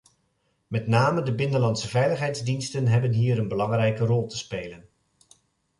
Met name de binnenlandse veiligheidsdiensten hebben hier een belangrijke rol te spelen.